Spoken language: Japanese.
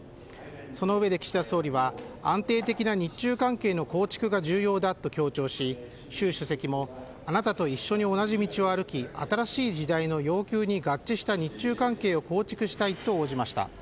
その上で岸田総理は安定的な日中関係の構築が重要だと強調し習主席もあなたと一緒に同じ道を歩き新しい時代の要求に合致した日中関係を構築したいと応じました。